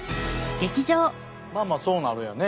まあまあそうなるよね。